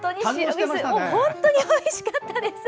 本当においしかったです！